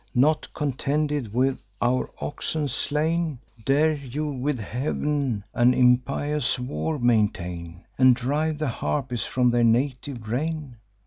not contented with our oxen slain, Dare you with Heav'n an impious war maintain, And drive the Harpies from their native reign?